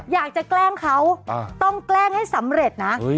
แกล้งเขาต้องแกล้งให้สำเร็จนะ